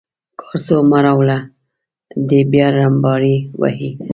کارسو مه راوړه دی بیا رمباړې وهي.